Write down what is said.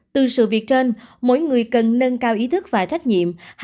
từ sự việc trên mỗi người cần nâng cao ý thức và trách nhiệm